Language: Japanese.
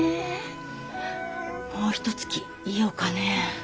もうひとつきいようかねえ。